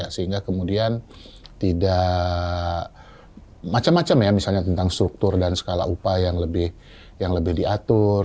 sehingga kemudian tidak macam macam ya misalnya tentang struktur dan skala upah yang lebih diatur